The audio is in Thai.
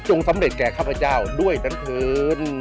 จงสำเร็จแกครับพระเจ้าด้วยดันทืน